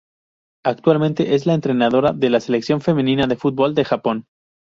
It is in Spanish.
Actualmente es la entrenadora de la Selección femenina de fútbol de Japón.